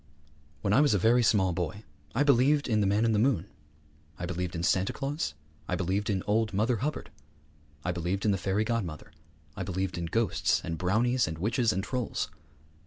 When I was a very small boy I believed in the Man in the Moon; I believed in Santa Claus; I believed in old Mother Hubbard; I believed in the Fairy Godmother; I believed in ghosts and brownies and witches and trolls.